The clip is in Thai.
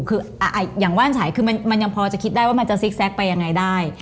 คืออย่างว่านฉัยคือมันยังพอจะคิดได้ว่ามันจะซิกแก๊กไปยังไงได้